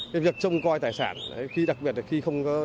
cái việc trông coi tài sản đặc biệt là khi không có